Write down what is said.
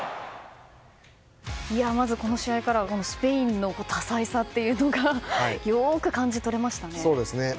まずこの試合からスペインの多彩さというのがよく感じ取れましたね。